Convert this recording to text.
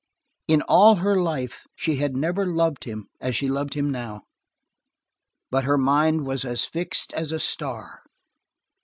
In all her life she had never loved him as she loved him now. But her mind was as fixed as a star.